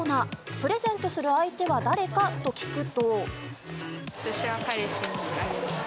プレゼントする相手は誰か？と聞くと。